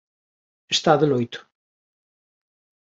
Está de loito.